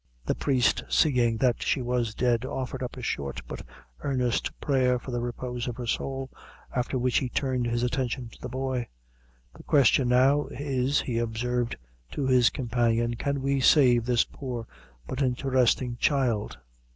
The priest, seeing that she was dead, offered up a short but earnest prayer for the repose of her soul, after which he turned his attention to the boy. "The question now is," he observed to his companion, "can we save this poor, but interesting child?"